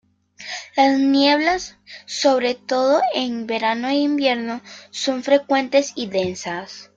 Las nieblas, sobre todo en verano e invierno, son frecuentes y densas.